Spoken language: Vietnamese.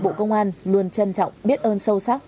bộ công an luôn trân trọng biết ơn sâu sắc